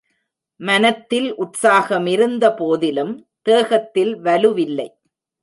மனத்தில் உற்சாகமிகுந்த போதிலும், தேகத்தில் வலுவில்லை.